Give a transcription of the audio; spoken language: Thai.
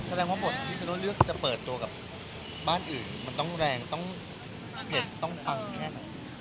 แสดงว่าบทที่เซโน่เลือกจะเปิดตัวกับบ้านอื่นมันต้องแรงต้องเผ็ดต้องปังแค่ไหน